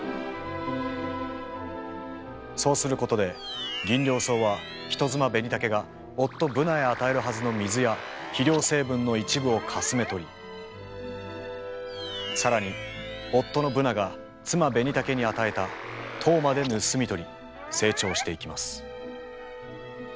そうすることでギンリョウソウは人妻ベニタケが夫ブナへ与えるはずの水や肥料成分の一部をかすめ取り更に夫のブナが妻ベニタケに与えた糖まで盗み取り成長していきます。